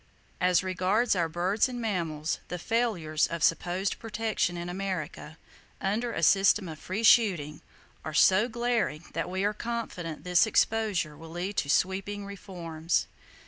As regards our birds and mammals, the failures of supposed protection in America—under a system of free shooting—are so glaring that we are confident this exposure will lead to sweeping reforms.